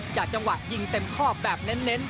จากจังหวะยิงเต็มข้อแบบเน้น